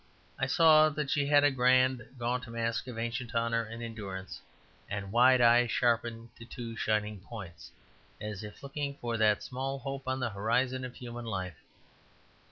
I saw that she had a grand, gaunt mask of ancient honour and endurance, and wide eyes sharpened to two shining points, as if looking for that small hope on the horizon of human life.